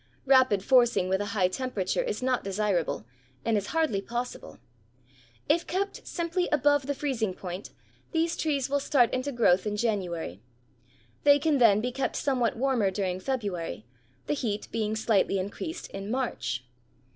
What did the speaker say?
Rapid forcing with a high temperature is not desirable and is hardly possible. If kept simply above the freezing point, these trees will start into growth in January. They can then be kept somewhat warmer during February, the heat being slightly increased in March.